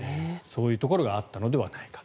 そういうところがあったのではないか。